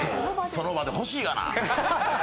その場で欲しいがな。